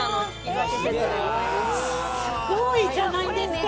すごいじゃないですか！